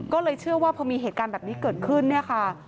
ก็เลยเชื่อว่าพอมีเหตุการณ์แบบนี้เกิดขึ้นเนี่ยค่ะ